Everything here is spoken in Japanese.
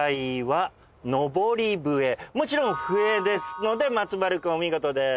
もちろん「ふえ」ですので松丸君お見事です。